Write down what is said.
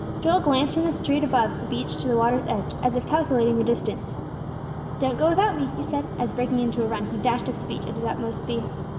Joel glanced from the street above the beach to the water's edge, as if calculating the distance. "Don't go without me," he said as, breaking into a run, he dashed up the beach at his utmost speed.